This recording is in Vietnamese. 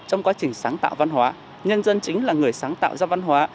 trong quá trình sáng tạo văn hóa nhân dân chính là người sáng tạo ra văn hóa